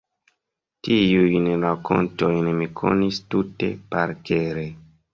Tiujn rakontojn mi konis tute parkere.